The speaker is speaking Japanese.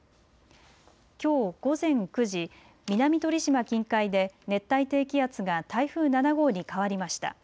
きょう午前９時、南鳥島近海で熱帯低気圧が台風７号に変わりました。